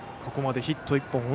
ここまでヒット１本。